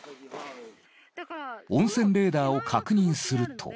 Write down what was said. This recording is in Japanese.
温泉レーダーを確認すると。